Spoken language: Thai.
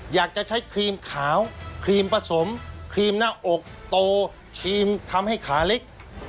อยากจะใช้ครีมขาวครีมผสมครีมหน้าอกโตครีมทำให้ขาเล็ก